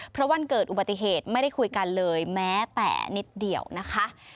เพราะวันเกิดอุบัติเหตุไม่ได้คุยกันเลยแม้แต่นิดเดียวนะคะ